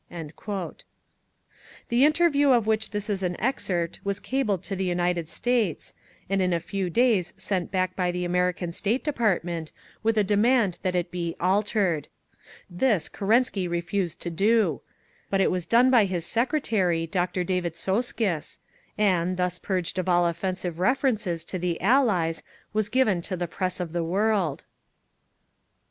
The interview of which this is an excerpt was cabled to the United States, and in a few days sent back by the American State Department, with a demand that it be "altered." This Kerensky refused to do; but it was done by his secretary, Dr. David Soskice—and, thus purged of all offensive references to the Allies, was given to the press of the world….